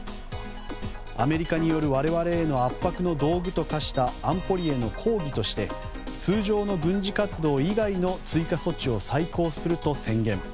アメリカによる我々への圧迫の道具と化した安保理への抗議として通常の軍事活動以外の追加措置を再考すると宣言。